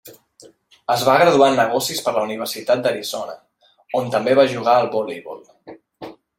Es va graduar en negocis per la Universitat d'Arizona, on també va jugar al voleibol.